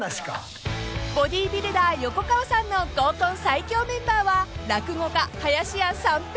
［ボディビルダー横川さんの合コン最強メンバーは落語家林家三平師匠］